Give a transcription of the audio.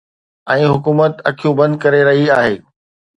۽ حڪومت اکيون بند ڪري رهي آهي